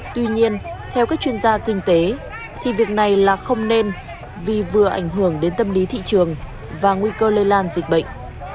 tuy nhiên theo các chuyên gia kinh tế thì việc này là không nên vì vừa ảnh hưởng đến tâm lý thị trường và nguy cơ lây lan dịch bệnh